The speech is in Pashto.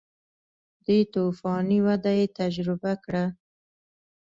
دې توفاني وده یې تجربه کړه